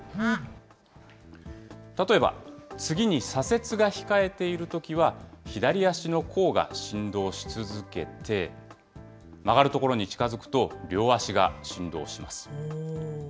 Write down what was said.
例えば、次に左折が控えているときは、左足の甲が振動し続けて、曲がる所に近づくと、両足が振動します。